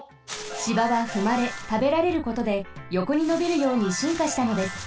芝はふまれたべられることでよこにのびるようにしんかしたのです。